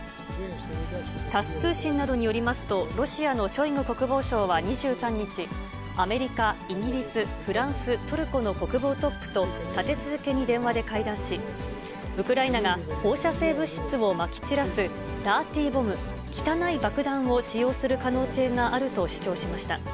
タス通信などによりますと、ロシアのショイグ国防相は２３日、アメリカ、イギリス、フランス、トルコの国防トップと、立て続けに電話で会談し、ウクライナが放射性物質をまき散らす、ダーティーボム・汚い爆弾を使用する可能性があると主張しました。